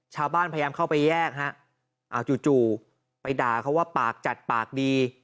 ชาวบ้านพยายามเข้าไปแยกฮะเอาจู่ไปด่าเขาว่าปากจัดปากดี